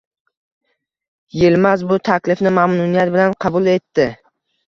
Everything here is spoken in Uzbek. Yilmaz bu taklifni mamnuniyat bilan qabul etdi.